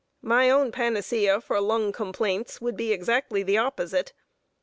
My own panacea for lung complaints would be exactly the opposite.